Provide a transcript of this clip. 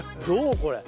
これ。